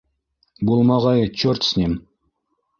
— Булмағайы, чорт с ним.